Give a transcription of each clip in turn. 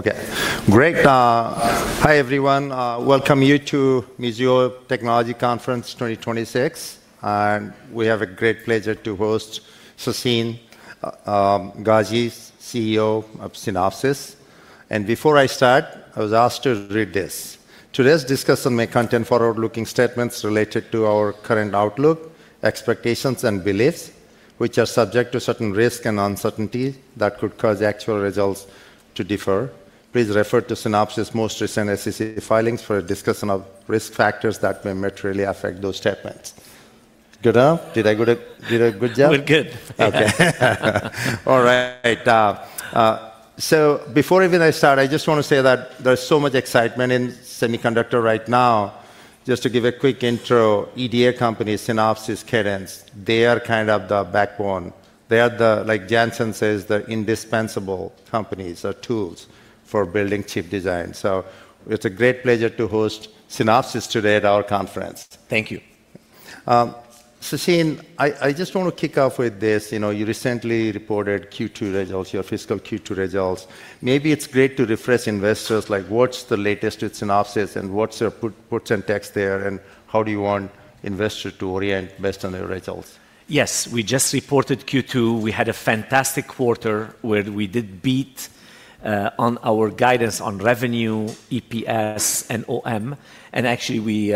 Okay, great. Hi, everyone. Welcome you to Mizuho Technology Conference 2026. We have a great pleasure to host Sassine Ghazi, CEO of Synopsys. Before I start, I was asked to read this. Today's discussion may contain forward-looking statements related to our current outlook, expectations and beliefs, which are subject to certain risk and uncertainty that could cause actual results to differ. Please refer to Synopsys' most recent SEC filings for a discussion of risk factors that may materially affect those statements. Good? Did I do a good job? You did good. Okay. All right. Before even I start, I just want to say that there's so much excitement in semiconductor right now. Just to give a quick intro, EDA companies, Synopsys, Cadence, they are kind of the backbone. They are the, like Jensen says, the indispensable companies or tools for building chip design. It's a great pleasure to host Synopsys today at our conference. Thank you. Sassine, I just want to kick off with this. You recently reported Q2 results, your fiscal Q2 results. Maybe it's great to refresh investors, like what's the latest with Synopsys and what's your puts and takes there, and how do you want investors to orient based on the results? Yes. We just reported Q2. We had a fantastic quarter, where we did beat on our guidance on revenue, EPS, and OM. Actually,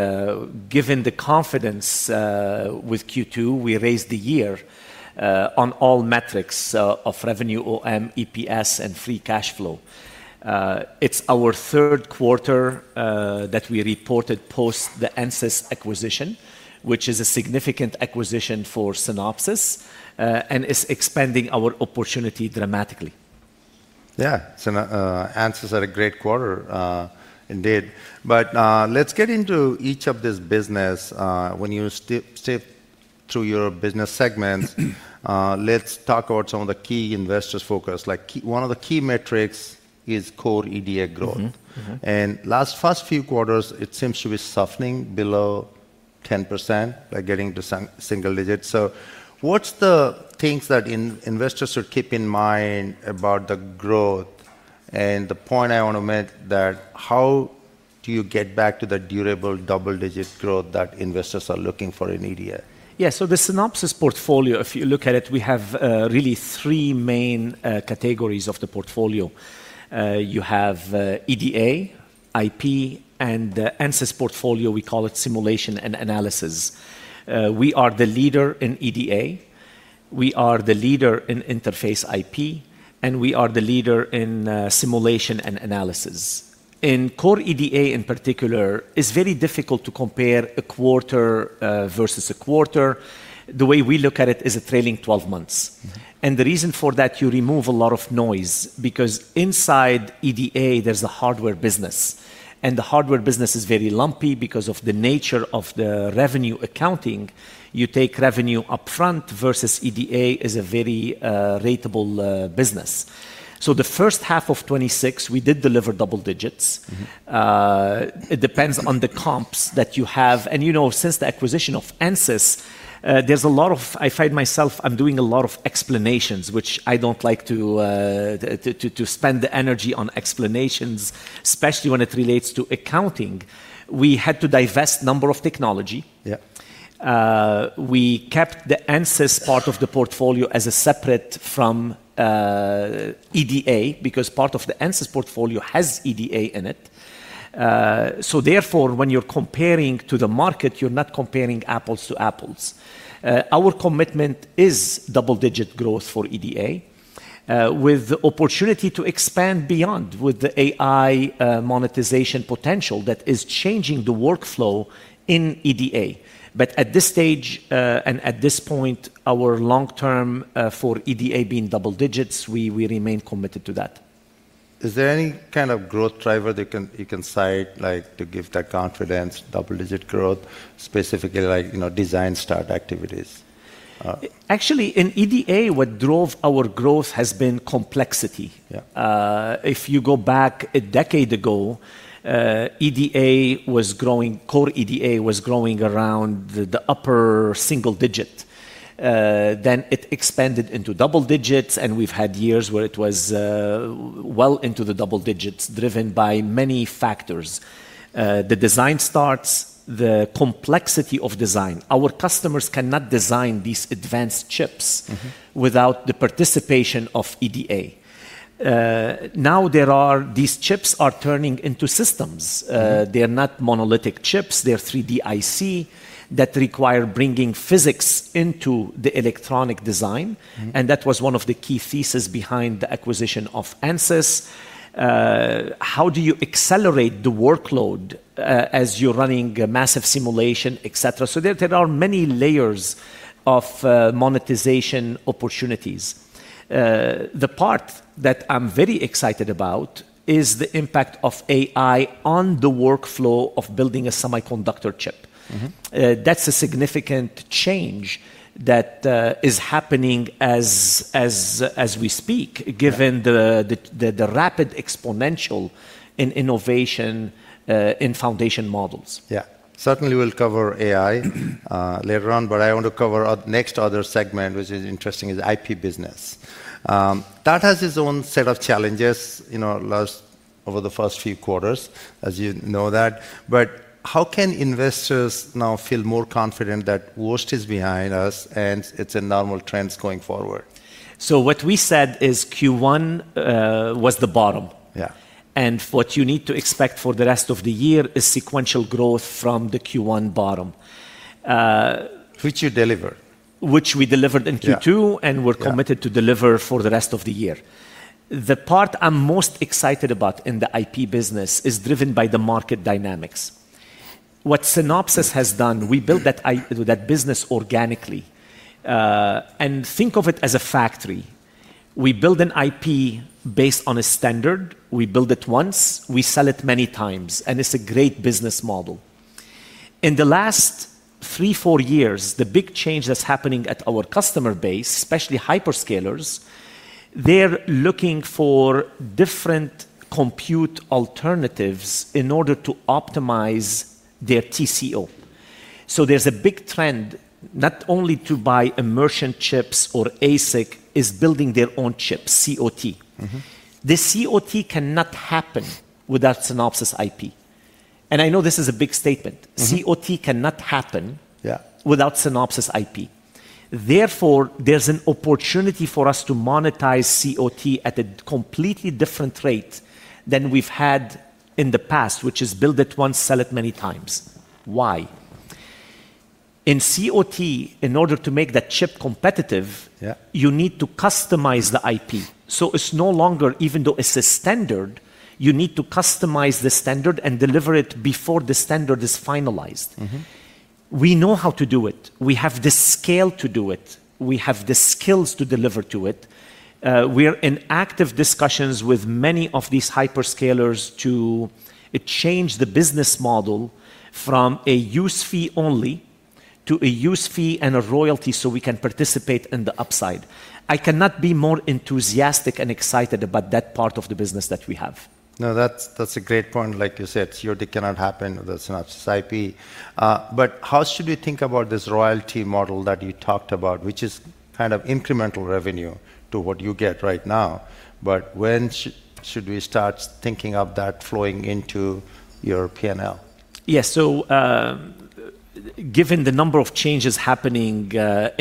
given the confidence with Q2, we raised the year on all metrics of revenue, OM, EPS, and free cash flow. It's our third quarter that we reported post the Ansys acquisition, which is a significant acquisition for Synopsys, and is expanding our opportunity dramatically. Yeah. Ansys had a great quarter indeed. Let's get into each of this business. When you sift through your business segments, let's talk about some of the key investors' focus. One of the key metrics is core EDA growth. Last, first few quarters, it seems to be softening below 10%, like getting to single digits. What's the things that investors should keep in mind about the growth? The point I want to make that how do you get back to the durable double-digit growth that investors are looking for in EDA? Yeah. The Synopsys portfolio, if you look at it, we have really three main categories of the portfolio. You have EDA, IP, and the Ansys portfolio, we call it simulation and analysis. We are the leader in EDA, we are the leader in interface IP, and we are the leader in simulation and analysis. In core EDA in particular, it's very difficult to compare a quarter versus a quarter. The way we look at it is a trailing 12 months. The reason for that, you remove a lot of noise, because inside EDA, there's a hardware business. The hardware business is very lumpy because of the nature of the revenue accounting. You take revenue upfront versus EDA is a very ratable business. The first half of 2026, we did deliver double digits. It depends on the comps that you have. Since the acquisition of Ansys, I find myself, I'm doing a lot of explanations, which I don't like to spend the energy on explanations, especially when it relates to accounting. We had to divest number of technology. Yeah. We kept the Ansys part of the portfolio as a separate from EDA, because part of the Ansys portfolio has EDA in it. Therefore, when you're comparing to the market, you're not comparing apples to apples. Our commitment is double-digit growth for EDA, with opportunity to expand beyond with the AI monetization potential that is changing the workflow in EDA. At this stage, and at this point, our long-term, for EDA being double digits, we remain committed to that. Is there any kind of growth driver that you can cite, like to give that confidence, double-digit growth, specifically design start activities? Actually, in EDA, what drove our growth has been complexity. Yeah. If you go back a decade ago, core EDA was growing around the upper single digit. It expanded into double digits, and we've had years where it was well into the double digits, driven by many factors. The design starts, the complexity of design. Our customers cannot design these advanced chips without the participation of EDA. Now these chips are turning into systems. They are not monolithic chips, they are 3D IC, that require bringing physics into the electronic design. That was one of the key thesis behind the acquisition of Ansys. How do you accelerate the workload, as you're running a massive simulation, et cetera? There are many layers of monetization opportunities. The part that I'm very excited about is the impact of AI on the workflow of building a semiconductor chip. That's a significant change that is happening as we speak. Given the rapid exponential innovation, in foundation models. Yeah. Certainly, we'll cover AI later on, I want to cover next other segment, which is interesting, is IP business. That has its own set of challenges over the first few quarters, as you know that. How can investors now feel more confident that worst is behind us and it's a normal trends going forward? What we said is Q1 was the bottom. Yeah. What you need to expect for the rest of the year is sequential growth from the Q1 bottom. Which you delivered. Which we delivered in Q2. Yeah. We're committed - Yeah - to deliver for the rest of the year. The part I'm most excited about in the IP business is driven by the market dynamics. What Synopsys has done, we built that business organically. Think of it as a factory. We build an IP based on a standard. We build it once. We sell it many times, and it's a great business model. In the last three, four years, the big change that's happening at our customer base, especially hyperscalers, they're looking for different compute alternatives in order to optimize their TCO. There's a big trend not only to buy merchant chips or ASIC, is building their own chips, COT. The COT cannot happen without Synopsys IP. I know this is a big statement. COT cannot happen - Yeah. - without Synopsys IP. There's an opportunity for us to monetize COT at a completely different rate than we've had in the past, which is build it once, sell it many times. Why? In COT, in order to make that chip competitive - Yeah. - you need to customize the IP. It's no longer, even though it's a standard, you need to customize the standard and deliver it before the standard is finalized. We know how to do it. We have the scale to do it. We have the skills to deliver to it. We're in active discussions with many of these hyperscalers to change the business model from a use fee only to a use fee and a royalty so we can participate in the upside. I cannot be more enthusiastic and excited about that part of the business that we have. That's a great point, like you said, COT cannot happen without Synopsys IP. How should we think about this royalty model that you talked about, which is kind of incremental revenue to what you get right now, when should we start thinking of that flowing into your P&L? Yeah, given the number of changes happening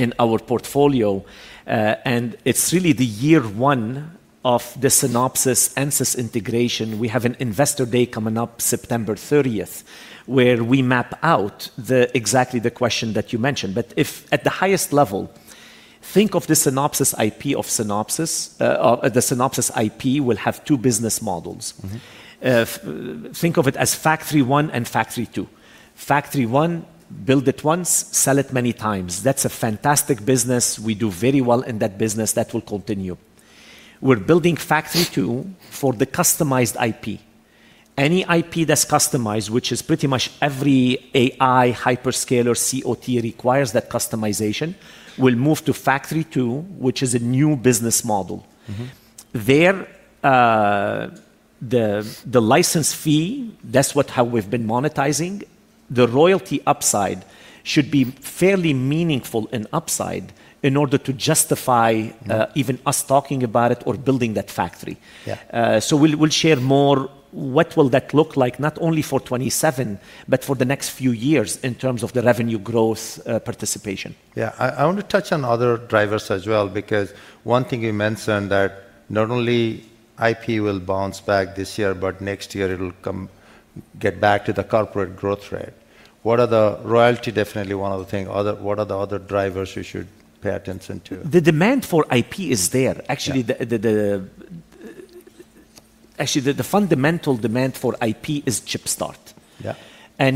in our portfolio, and it's really the year one of the Synopsys Ansys integration, we have an investor day coming up September 30th, where we map out exactly the question that you mentioned. If at the highest level, think of the Synopsys IP will have two business models. Think of it as factory one and factory two. Factory one, build it once, sell it many times. That's a fantastic business. We do very well in that business. That will continue. We're building factory two for the customized IP. Any IP that's customized, which is pretty much every AI hyperscaler, COT requires that customization, will move to factory two, which is a new business model. There, the license fee, that's how we've been monetizing. The royalty upside should be fairly meaningful in upside in order to justify even us talking about it or building that factory. Yeah. We'll share more what will that look like, not only for 2027, but for the next few years in terms of the revenue growth participation. Yeah. I want to touch on other drivers as well, because one thing you mentioned that not only IP will bounce back this year, but next year it'll get back to the corporate growth rate. Royalty definitely one of the thing. What are the other drivers we should pay attention to? The demand for IP is there. Yeah. Actually, the fundamental demand for IP is chip start. Yeah. In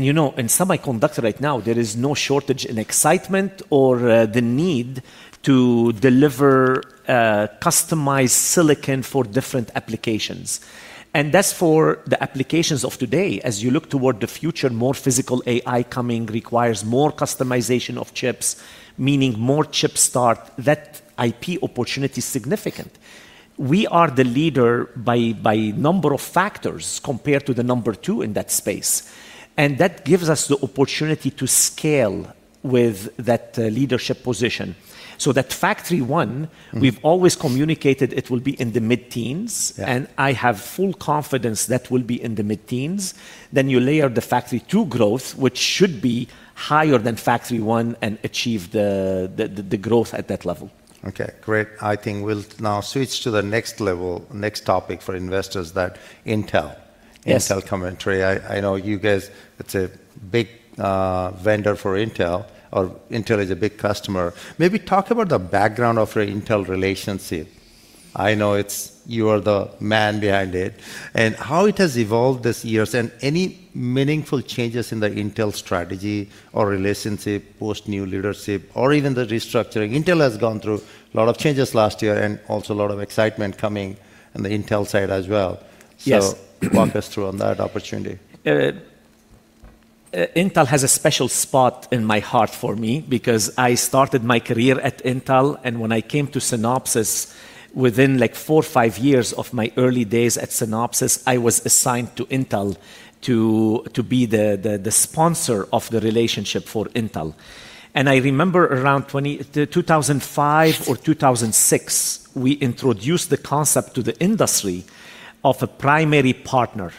semiconductor right now, there is no shortage in excitement or the need to deliver customized silicon for different applications. That's for the applications of today. As you look toward the future, more physical AI coming requires more customization of chips, meaning more chip start. That IP opportunity is significant. We are the leader by number of factors compared to the number two in that space, and that gives us the opportunity to scale with that leadership position. That factory one- we've always communicated it will be in the mid-teens - Yeah. - and I have full confidence that will be in the mid-teens. You layer the factory two growth, which should be higher than factory one and achieve the growth at that level. Okay, great. I think we'll now switch to the next level, next topic for investors at Intel. Yes. Intel commentary. I know you guys, it's a big vendor for Intel, or Intel is a big customer. Maybe talk about the background of your Intel relationship. I know you are the man behind it, and how it has evolved these years, and any meaningful changes in the Intel strategy or relationship post new leadership or even the restructuring. Intel has gone through a lot of changes last year and also a lot of excitement coming on the Intel side as well. Yes. Walk us through on that opportunity. Intel has a special spot in my heart for me, because I started my career at Intel, and when I came to Synopsys, within four or five years of my early days at Synopsys, I was assigned to Intel to be the sponsor of the relationship for Intel. I remember around 2005 or 2006, we introduced the concept to the industry of a primary partner,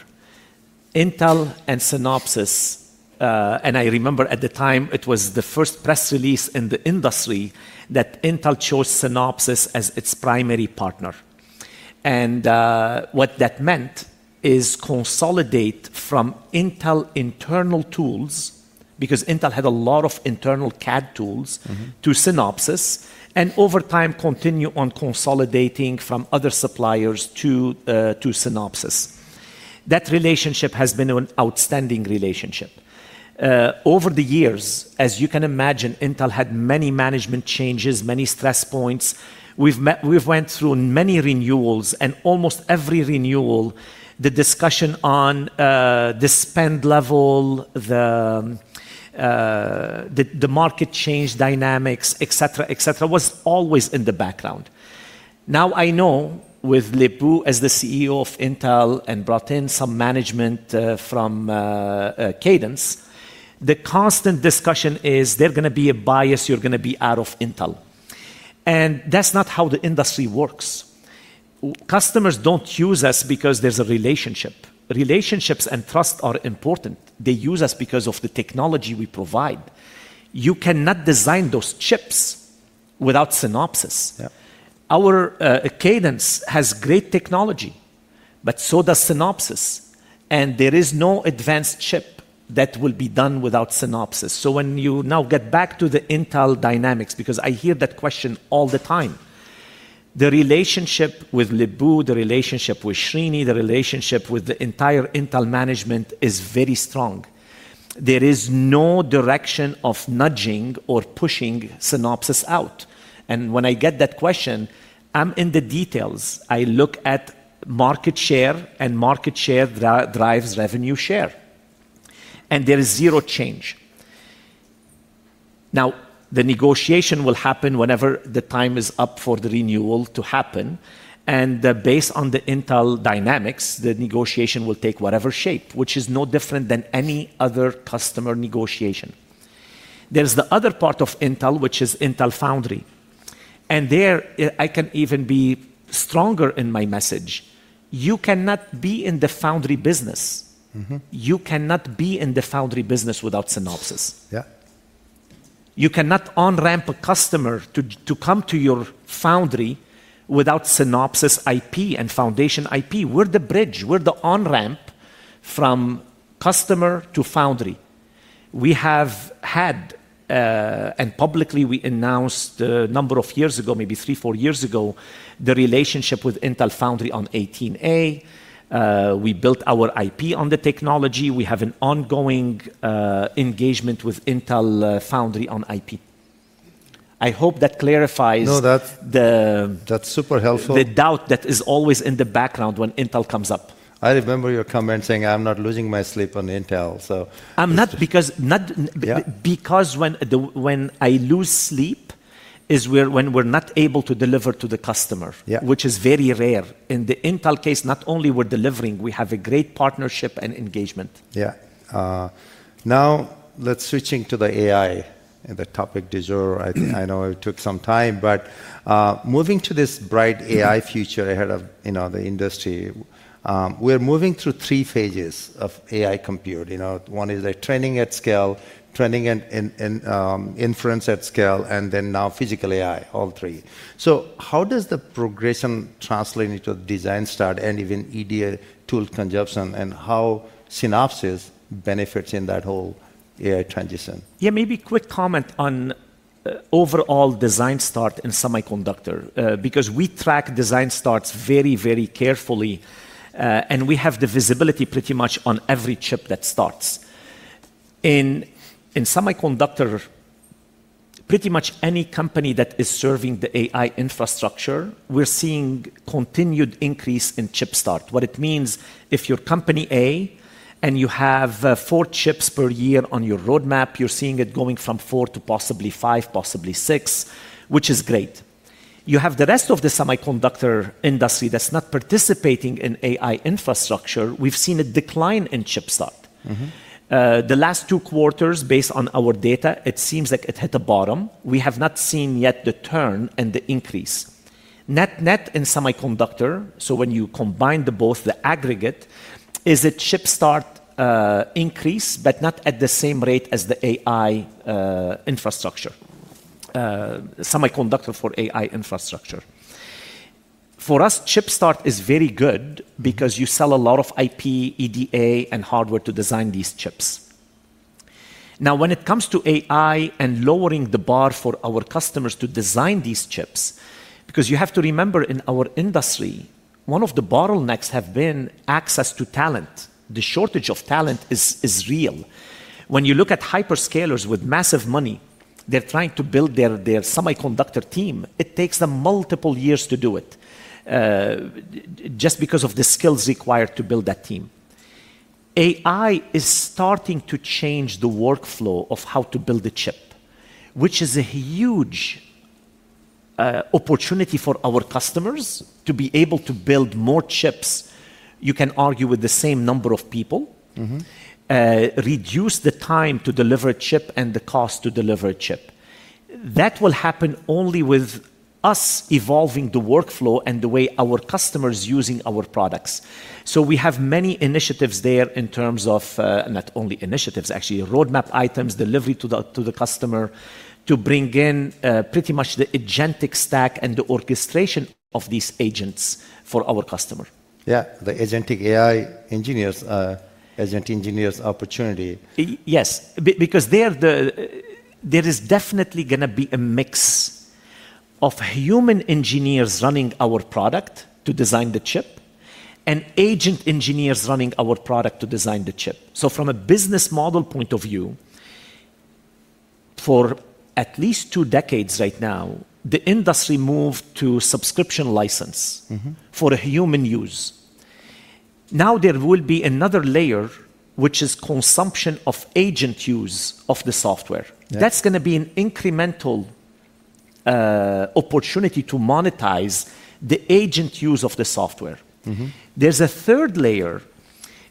Intel and Synopsys. I remember at the time, it was the first press release in the industry that Intel chose Synopsys as its primary partner. What that meant is consolidate from Intel internal tools, because Intel had a lot of internal CAD tools to Synopsys, over time, continue on consolidating from other suppliers to Synopsys. That relationship has been an outstanding relationship. Over the years, as you can imagine, Intel had many management changes, many stress points. We've went through many renewals, almost every renewal, the discussion on the spend level, the market change dynamics, et cetera, was always in the background. Now I know with Lip-Bu as the CEO of Intel and brought in some management from Cadence, the constant discussion is there's going to be a bias, you're going to be out of Intel. That's not how the industry works. Customers don't use us because there's a relationship. Relationships and trust are important. They use us because of the technology we provide. You cannot design those chips without Synopsys. Yeah. Cadence has great technology, so does Synopsys, there is no advanced chip that will be done without Synopsys. When you now get back to the Intel dynamics, because I hear that question all the time, the relationship with Lip-Bu, the relationship with Srini, the relationship with the entire Intel management is very strong. There is no direction of nudging or pushing Synopsys out. When I get that question, I'm in the details. I look at market share, market share drives revenue share. There is zero change. The negotiation will happen whenever the time is up for the renewal to happen, based on the Intel dynamics, the negotiation will take whatever shape, which is no different than any other customer negotiation. There's the other part of Intel, which is Intel Foundry. There, I can even be stronger in my message. You cannot be in the foundry business You cannot be in the foundry business without Synopsys. Yeah. You cannot on-ramp a customer to come to your foundry without Synopsys IP and foundation IP. We're the bridge. We're the on-ramp from customer to foundry. We have had, and publicly we announced a number of years ago, maybe three, four years ago, the relationship with Intel Foundry on 18A. We built our IP on the technology. We have an ongoing engagement with Intel Foundry on IP. I hope that clarifies - No. - the - That's super helpful. - the doubt that is always in the background when Intel comes up. I remember your comment saying, "I'm not losing my sleep on Intel. I'm not, because when I lose sleep is when we're not able to deliver to the customer. Yeah. Which is very rare. In the Intel case, not only we're delivering, we have a great partnership and engagement. Yeah. Let's switching to the AI and the topic du jour. I know it took some time, moving to this bright AI future ahead of the industry, we're moving through three phases of AI compute. One is training at scale, training and inference at scale, now physical AI, all three. How does the progression translate into design start and even EDA tool consumption, and how Synopsys benefits in that whole AI transition? Yeah, maybe quick comment on overall design start in semiconductor, because we track design starts very carefully, and we have the visibility pretty much on every chip that starts. In semiconductor, pretty much any company that is serving the AI infrastructure, we're seeing continued increase in chip start. What it means, if you're company A and you have four chips per year on your roadmap, you're seeing it going from four to possibly five, possibly six, which is great. You have the rest of the semiconductor industry that's not participating in AI infrastructure, we've seen a decline in chip start. The last two quarters, based on our data, it seems like it hit the bottom. We have not seen yet the turn and the increase. Net in semiconductor, when you combine the both, the aggregate, is that chip start increase, but not at the same rate as the AI infrastructure, semiconductor for AI infrastructure. For us, chip start is very good because you sell a lot of IP, EDA, and hardware to design these chips. Now, when it comes to AI and lowering the bar for our customers to design these chips, because you have to remember, in our industry, one of the bottlenecks have been access to talent. The shortage of talent is real. When you look at hyperscalers with massive money. They're trying to build their semiconductor team. It takes them multiple years to do it, just because of the skills required to build that team. AI is starting to change the workflow of how to build a chip, which is a huge opportunity for our customers to be able to build more chips, you can argue with the same number of people. Reduce the time to deliver a chip and the cost to deliver a chip. That will happen only with us evolving the workflow and the way our customers using our products. We have many initiatives there in terms of, not only initiatives, actually, roadmap items, delivery to the customer to bring in pretty much the agentic stack and the orchestration of these agents for our customer. Yeah. The agentic AI engineers, agent engineers opportunity. Yes, because there is definitely going to be a mix of human engineers running our product to design the chip, and agent engineers running our product to design the chip. From a business model point of view, for at least two decades right now, the industry moved to subscription license for human use. There will be another layer, which is consumption of agent use of the software. Yeah. That's going to be an incremental opportunity to monetize the agent use of the software. There's a third layer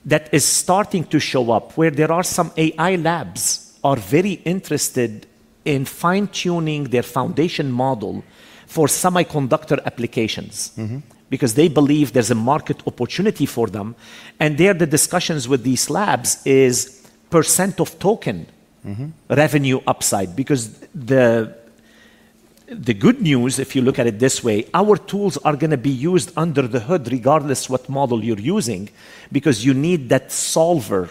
that is starting to show up where there are some AI labs are very interested in fine-tuning their foundation model for semiconductor applications. Because they believe there's a market opportunity for them, and there, the discussions with these labs is percent of token revenue upside, because the good news, if you look at it this way, our tools are going to be used under the hood regardless what model you're using because you need that solver,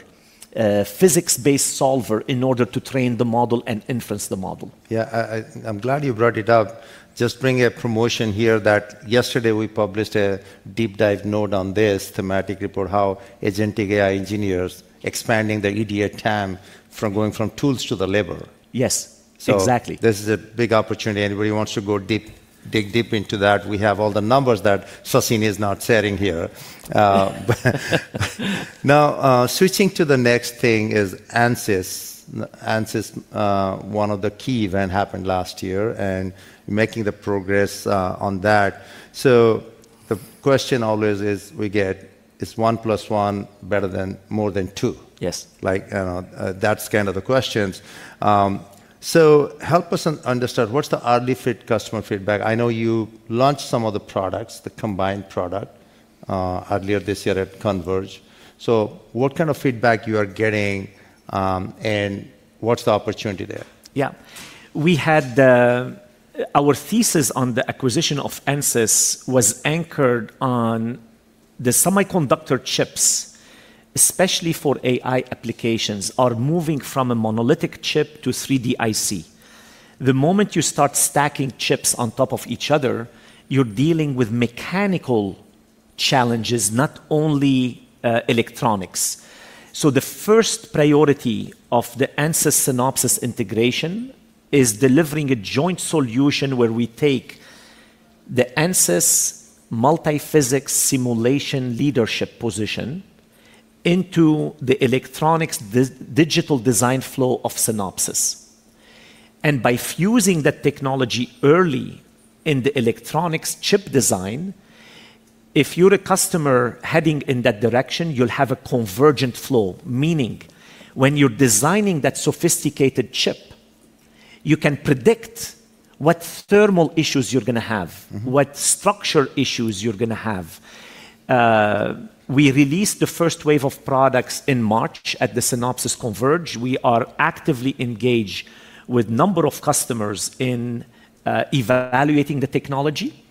physics-based solver in order to train the model and inference the model. Yeah. I'm glad you brought it up. Just bring a promotion here that yesterday we published a deep dive note on this thematic report, how agentic AI engineers expanding the EDA TAM from going from tools to the labor. Yes. Exactly. This is a big opportunity. Anybody wants to go dig deep into that, we have all the numbers that Sassine is not sharing here. Switching to the next thing is Ansys. Ansys, one of the key event happened last year and making the progress on that. The question always is we get, is one plus one better than more than two? Yes. That's kind of the questions. Help us understand, what's the early customer feedback? I know you launched some of the products, the combined product, earlier this year at Converge. What kind of feedback you are getting, and what's the opportunity there? Our thesis on the acquisition of Ansys was anchored on the semiconductor chips, especially for AI applications, are moving from a monolithic chip to 3D IC. The moment you start stacking chips on top of each other, you're dealing with mechanical challenges, not only electronics. The first priority of the Ansys Synopsys integration is delivering a joint solution where we take the Ansys multi-physics simulation leadership position into the electronics digital design flow of Synopsys. By fusing that technology early in the electronics chip design, if you're a customer heading in that direction, you'll have a convergent flow, meaning when you're designing that sophisticated chip, you can predict what thermal issues you're going to have, what structure issues you're going to have. We released the first wave of products in March at the Synopsys Converge. We are actively engaged with number of customers in evaluating the technology.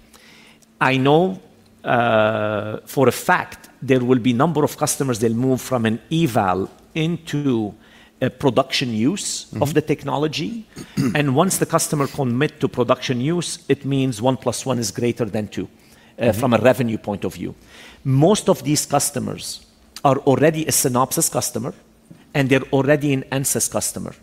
I know for a fact there will be number of customers they'll move from an eval into a production use of the technology. Once the customer commit to production use, it means one plus one is greater than two from a revenue point of view. Most of these customers are already a Synopsys customer and they're already an Ansys customer.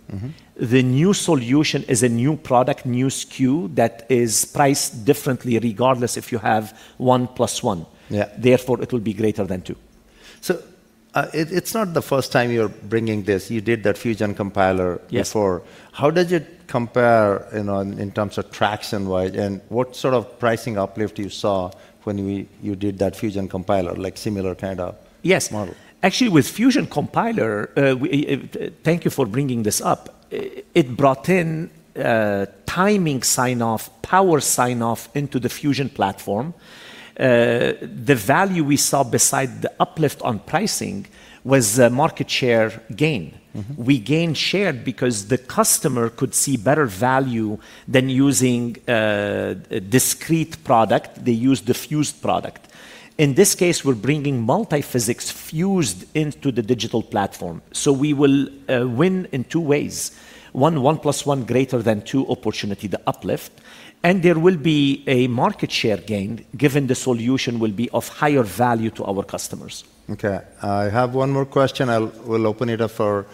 The new solution is a new product, new SKU that is priced differently regardless if you have one plus one. Yeah. Therefore, it will be greater than two. It's not the first time you're bringing this. You did that Fusion Compiler before. Yes. How does it compare in terms of traction wide, what sort of pricing uplift you saw when you did that Fusion Compiler - Yes. - model? Actually with Fusion Compiler, thank you for bringing this up, it brought in timing sign-off, power sign-off into the Fusion platform. The value we saw beside the uplift on pricing was a market share gain. We gained share because the customer could see better value than using a discrete product. They used the fused product. In this case, we're bringing multi-physics fused into the digital platform. We will win in two ways. One, one plus one greater than two opportunity, the uplift, and there will be a market share gain given the solution will be of higher value to our customers. Okay. I have one more question. I will open it up for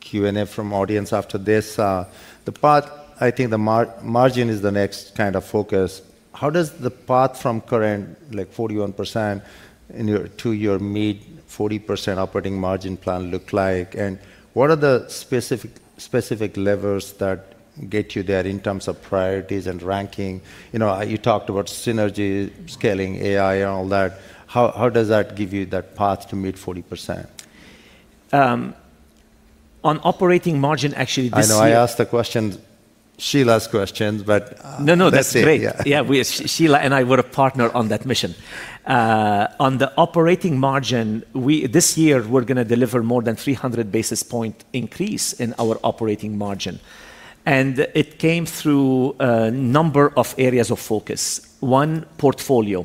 Q&A from audience after this. The path, I think the margin is the next kind of focus. How does the path from current 41% to your mid-40% operating margin plan look like? What are the specific levers that get you there in terms of priorities and ranking? You talked about synergy, scaling, AI, and all that. How does that give you that path to mid-40%? On operating margin, actually this year. I know I asked the question, Shelagh's questions. That's great. Yeah. Shelagh and I were a partner on that mission. On the operating margin, this year we're going to deliver more than 300 basis point increase in our operating margin. It came through a number of areas of focus. One, portfolio.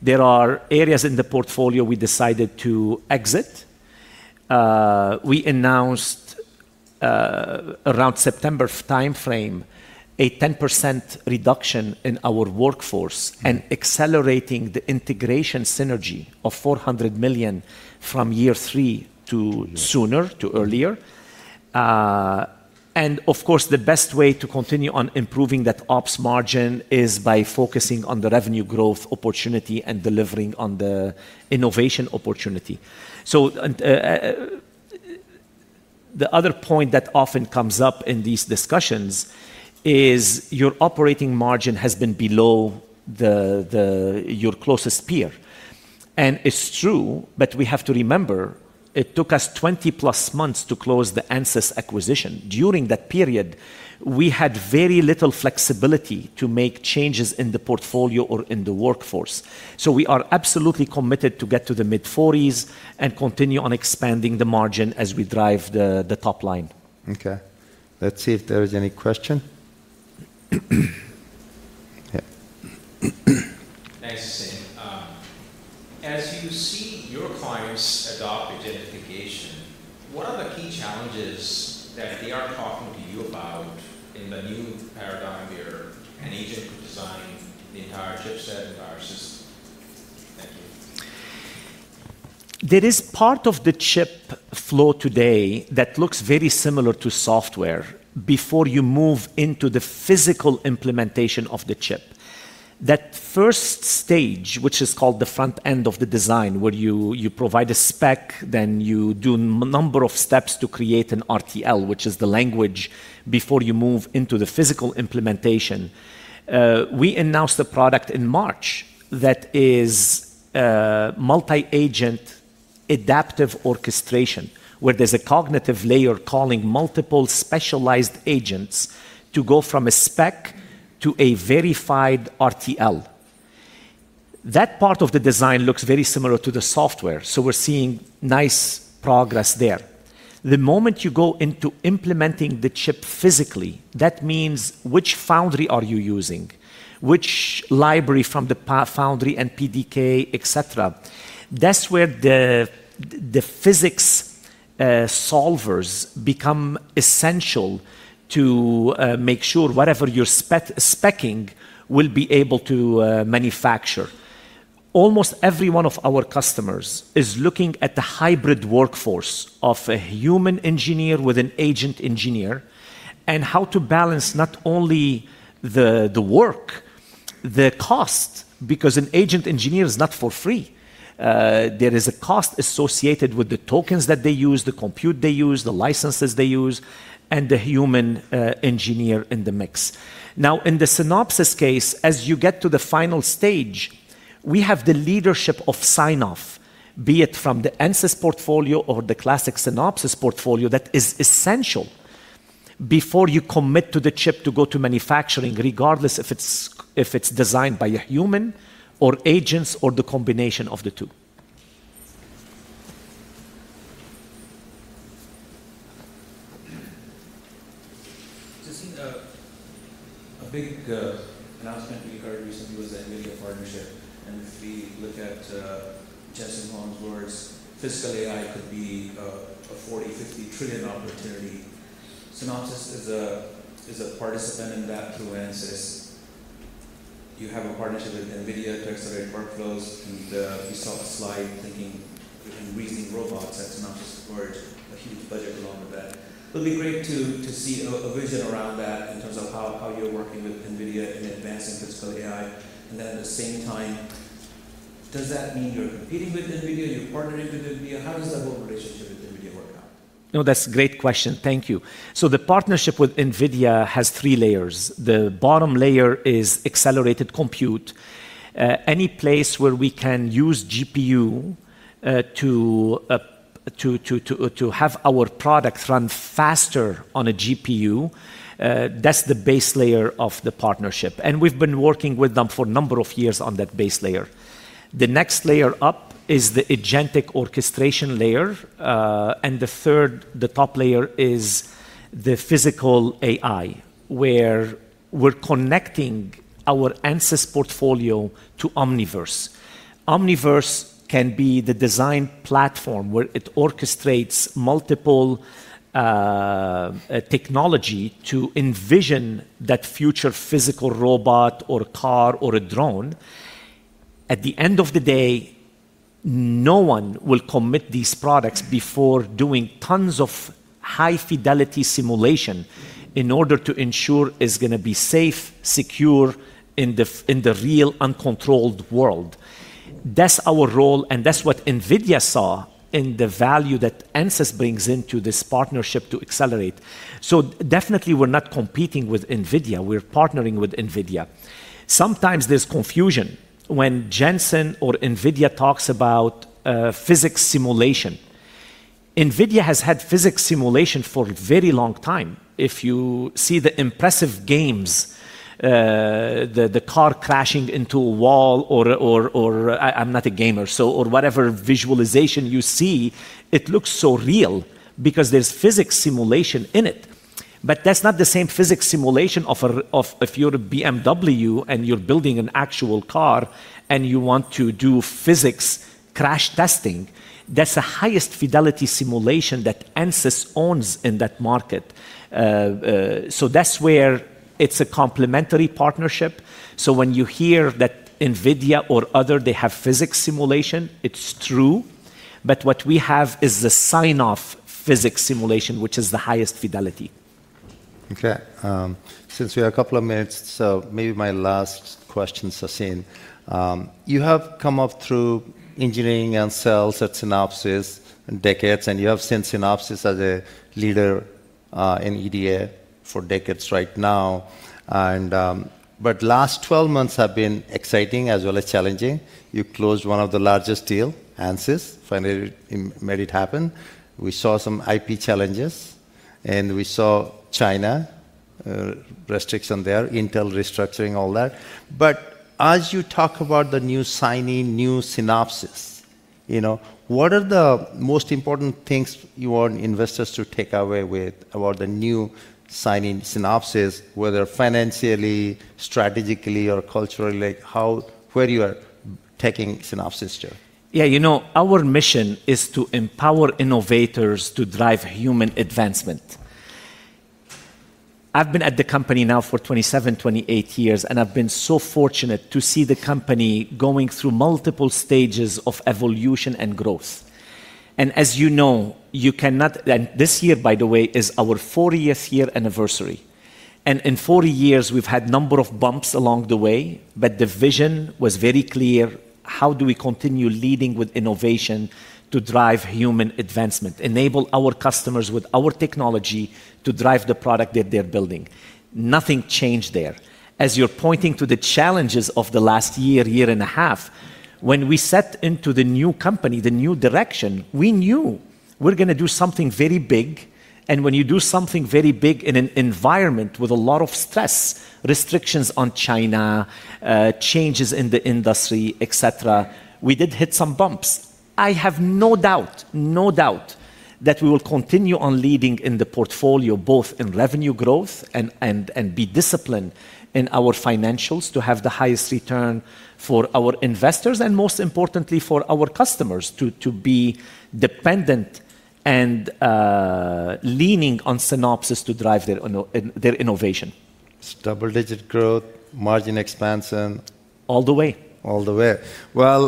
There are areas in the portfolio we decided to exit. We announced, around September timeframe, a 10% reduction in our workforce and accelerating the integration synergy of $400 million from year three to sooner, to earlier. Of course, the best way to continue on improving that ops margin is by focusing on the revenue growth opportunity and delivering on the innovation opportunity. The other point that often comes up in these discussions is your operating margin has been below your closest peer. It's true, but we have to remember, it took us 20+ months to close the Ansys acquisition. During that period, we had very little flexibility to make changes in the portfolio or in the workforce. We are absolutely committed to get to the mid-40s and continue on expanding the margin as we drive the top line. Okay. Let's see if there is any question. Yeah. Thanks, Sassine. As you see your clients adopt agentic AI, what are the key challenges that they are talking to you about in the new paradigm here, an agent could design the entire chipset, entire system? Thank you. There is part of the chip flow today that looks very similar to software before you move into the physical implementation of the chip. That first stage, which is called the front end of the design, where you provide a spec, then you do number of steps to create an RTL, which is the language before you move into the physical implementation. We announced a product in March that is multi-agent adaptive orchestration, where there's a cognitive layer calling multiple specialized agents to go from a spec to a verified RTL. That part of the design looks very similar to the software, we're seeing nice progress there. The moment you go into implementing the chip physically, that means which foundry are you using, which library from the foundry and PDK, et cetera. That's where the physics solvers become essential to make sure whatever you're speccing will be able to manufacture. Almost every one of our customers is looking at the hybrid workforce of a human engineer with an agent engineer, and how to balance not only the work, the cost, because an agent engineer is not for free. There is a cost associated with the tokens that they use, the compute they use, the licenses they use, and the human engineer in the mix. In the Synopsys case, as you get to the final stage, we have the leadership of sign-off, be it from the Ansys portfolio or the classic Synopsys portfolio that is essential before you commit to the chip to go to manufacturing, regardless if it's designed by a human or agents or the combination of the two. Sassine, a big announcement we heard recently was that with your partnership, if we look at Jensen Huang's words, physical AI could be a $40 trillion, $50 trillion opportunity. Synopsys is a participant in that through Ansys. You have a partnership with NVIDIA to accelerate workflows, and we saw a slide thinking within reasoning robots, that Synopsys support a huge budget along with that. It'll be great to see a vision around that in terms of how you're working with NVIDIA in advancing physical AI. At the same time, does that mean you're competing with NVIDIA? You're partnering with NVIDIA? How does that whole relationship with NVIDIA work out? That's a great question. Thank you. The partnership with NVIDIA has three layers. The bottom layer is accelerated compute. Any place where we can use GPU to have our product run faster on a GPU, that's the base layer of the partnership. We've been working with them for a number of years on that base layer. The next layer up is the agentic orchestration layer. The third, the top layer, is the physical AI, where we're connecting our Ansys portfolio to Omniverse. Omniverse can be the design platform where it orchestrates multiple technology to envision that future physical robot or car or a drone. At the end of the day, no one will commit these products before doing tons of high-fidelity simulation in order to ensure it's going to be safe, secure in the real uncontrolled world. That's our role, that's what NVIDIA saw in the value that Ansys brings into this partnership to accelerate. Definitely, we're not competing with NVIDIA. We're partnering with NVIDIA. Sometimes there's confusion when Jensen or NVIDIA talks about physics simulation. NVIDIA has had physics simulation for a very long time. If you see the impressive games, the car crashing into a wall, or I'm not a gamer, or whatever visualization you see, it looks so real because there's physics simulation in it. That's not the same physics simulation of if you're a BMW and you're building an actual car and you want to do physics crash testing, that's the highest fidelity simulation that Ansys owns in that market. That's where it's a complementary partnership. When you hear that NVIDIA or other, they have physics simulation, it's true. What we have is the sign-off physics simulation, which is the highest fidelity. Okay. Since we have a couple of minutes, maybe my last question, Sassine. You have come up through engineering and sales at Synopsys decades, and you have seen Synopsys as a leader in EDA for decades right now. The last 12 months have been exciting as well as challenging. You closed one of the largest deals, Ansys, finally made it happen. We saw some IP challenges, we saw China, restriction there, Intel restructuring, all that. As you talk about the new Synopsys, new Synopsys, what are the most important things you want investors to take away with about the new Synopsys Synopsys, whether financially, strategically, or culturally, like where you are taking Synopsys to? Yeah, our mission is to empower innovators to drive human advancement. I've been at the company now for 27, 28 years, I've been so fortunate to see the company going through multiple stages of evolution and growth. This year, by the way, is our 40th year anniversary. In 40 years, we've had a number of bumps along the way, the vision was very clear. How do we continue leading with innovation to drive human advancement, enable our customers with our technology to drive the product that they're building? Nothing changed there. As you're pointing to the challenges of the last year and a half, when we set into the new company, the new direction, we knew we're going to do something very big. When you do something very big in an environment with a lot of stress, restrictions on China, changes in the industry, et cetera, we did hit some bumps. I have no doubt that we will continue on leading in the portfolio, both in revenue growth and be disciplined in our financials to have the highest return for our investors and, most importantly, for our customers to be dependent and leaning on Synopsys to drive their innovation. Double-digit growth, margin expansion. All the way. All the way. Well,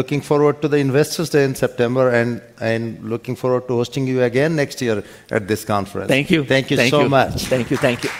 looking forward to the Investors Day in September, and looking forward to hosting you again next year at this conference. Thank you. Thank you so much. Thank you.